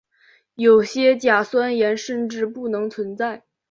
有些甲酸盐甚至不能存在。